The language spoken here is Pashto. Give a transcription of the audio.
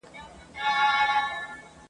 مځکه به کړو خپله له اسمان سره به څه کوو ..